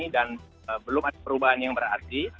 dan belum ada perubahan yang berarti